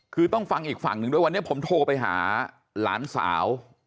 คือต้องฟังอีกฝั่งหนึ่งด้วยวันนี้ผมโทรไปหาหลานสาว